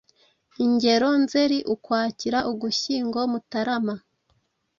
Ingero: Nzeri, Ukwakira, Ugushyingo, Mutarama …